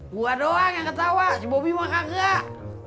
gua doang yang ketawa si bobi mah kagak